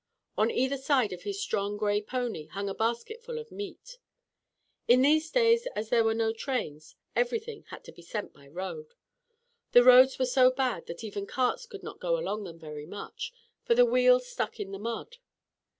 On either side of his strong gray pony hung a basket full of meat. In these days as there were no trains, everything had to be sent by road. The roads were so bad that even carts could not go along them very much, for the wheels stuck in the mud.